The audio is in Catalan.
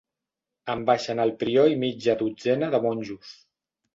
En baixen el prior i mitja dotzena de monjos.